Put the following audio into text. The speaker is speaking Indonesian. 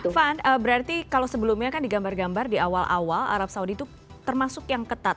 van berarti kalau sebelumnya kan digambar gambar di awal awal arab saudi itu termasuk yang ketat